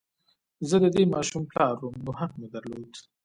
زه د دې ماشوم پلار وم نو حق مې درلود